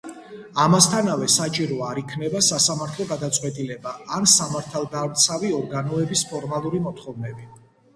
ამასთანავე საჭირო არ იქნება სასამართლო გადაწყვეტილება ან სამართალდამცავი ორგანოების ფორმალური მოთხოვნები.